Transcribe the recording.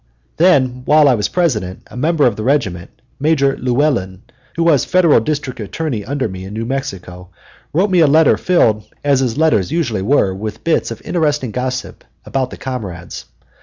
Then, while I was President, a member of the regiment, Major Llewellyn, who was Federal District Attorney under me in New Mexico, wrote me a letter filled, as his letters usually were, with bits of interesting gossip about the comrades.